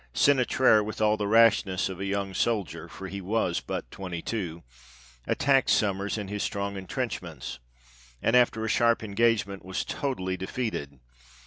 Sene traire, with all the rashness of a young soldier, for he was but twenty two, attacked Sommers in his strong entrenchments, and after a sharp engagement was totally defeated.